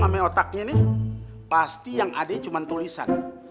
sama otaknya nih pasti yang ada cuma tulisan